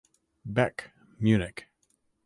Beck (Munich).